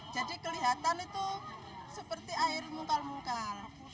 jadi kelihatan itu seperti air mungkal mungkal